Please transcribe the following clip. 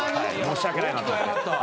申し訳ないなと思って。